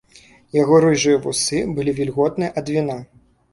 Яго рыжыя вусы былі вільготныя ад віна.